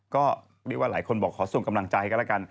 ก็เรียกว่าหลายคนบอกขอส่งกำลังใจกันแล้วกัน